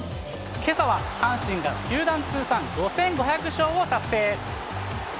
けさは阪神が球団通算５５００勝を達成。